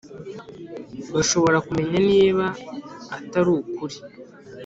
Bashobora kumenya niba atarukuri.